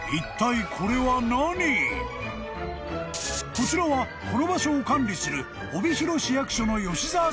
［こちらはこの場所を管理する］